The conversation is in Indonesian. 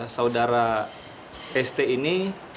saudara st ini